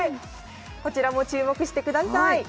こちらも注目してください。